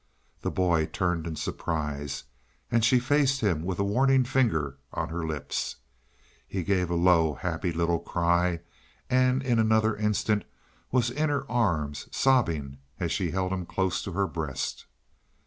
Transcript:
The boy turned in surprise and she faced him with a warning finger on her lips. He gave a low, happy little cry, and in another instant was in her arms, sobbing as she held him close to her breast.